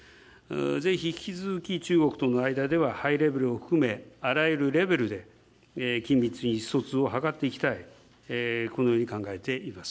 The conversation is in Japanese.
ぜひ引き続き、中国との間では、ハイレベルを含め、あらゆるレベルで緊密に意思疎通を図っていきたい、このように考えています。